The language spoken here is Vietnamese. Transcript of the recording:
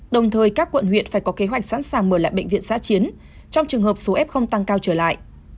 đồng thời các quận huyện phải có kế hoạch sẵn sàng mở lại bệnh viện giã chiến trong trường hợp số f tăng cao trở lại